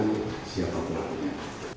untuk mencari siapa pulangnya